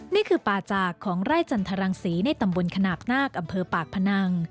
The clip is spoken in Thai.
นี่คือป่าจากของไร่จันทรังศรีในตำบลขนาดนาคอำเภอปากพนัง